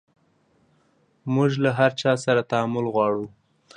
موژ له هر چا سره تعامل غواړو